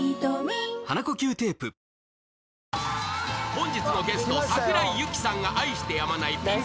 ［本日のゲスト桜井ユキさんが愛してやまないピン